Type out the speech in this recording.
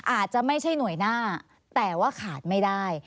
อาจจะไม่ใช่หน่วยหน้าแต่ว่าขาดไม่ได้